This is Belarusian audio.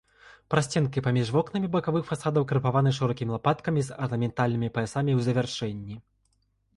Прасценкі паміж вокнамі бакавых фасадаў крапаваны шырокімі лапаткамі з арнаментальнымі паясамі ў завяршэнні.